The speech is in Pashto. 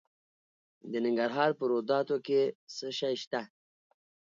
د ننګرهار په روداتو کې څه شی شته؟